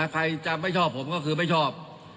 ใครจะไม่ชอบผมก็คือไม่ชอบ